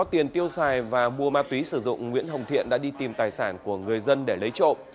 tiền tiêu xài và mua ma túy sử dụng nguyễn hồng thiện đã đi tìm tài sản của người dân để lấy trộm